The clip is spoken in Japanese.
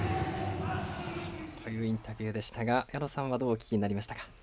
インタビューでしたが矢野さんはどうお聞きになりましたか？